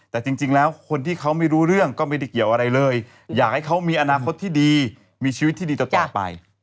แต่จริงแล้วคนที่เขาไม่รู้เรื่องก็ไม่ได้เกี่ยวอะไรเลยอยากให้เขามีอนาคตที่ดีมีชีวิตที่ดีต่อไป